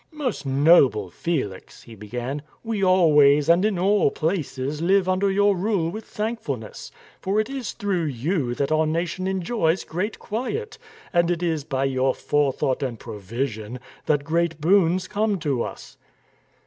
" Most noble Felix," he began. " We always and in all places live under your rule with thankfulness, for it is through you that our nation enjoys great quiet, and it is by your forethought and provision that great boons come to us."